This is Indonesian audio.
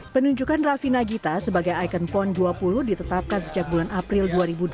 penunjukan raffi nagita sebagai ikon pon dua puluh ditetapkan sejak bulan april dua ribu dua puluh